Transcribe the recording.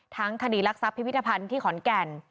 ทั้งคดีรักทรัพย์พิพิธภัณฑ์ที่ขอนแก่น